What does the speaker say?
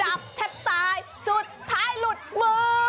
แทบตายสุดท้ายหลุดมือ